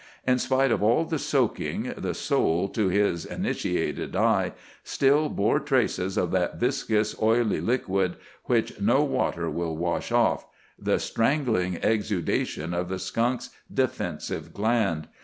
In spite of all the soaking, the sole, to his initiated eye, still bore traces of that viscous, oily liquid which no water will wash off—the strangling exudation of the skunk's defensive gland.